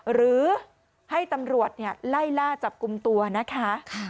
หรือให้ตำรวจไล่ล่าจับกลุ่มตัวนะคะ